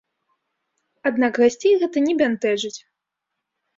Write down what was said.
Аднак гасцей гэта не бянтэжыць.